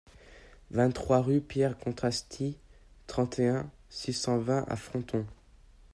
vingt-trois rue Pierre Contrasty, trente et un, six cent vingt à Fronton